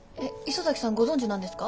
磯崎さんご存じなんですか？